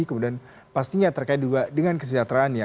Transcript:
kemudian pastinya terkait juga dengan kesejahteraan ya